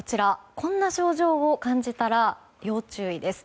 こんな症状を感じたら要注意です。